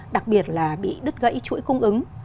đặc biệt là bị đứt gãy chuỗi cung ứng